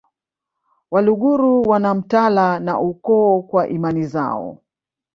Waluguru wana mtala na ukoo kwa imani zao